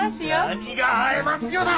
何が「会えますよ」だ！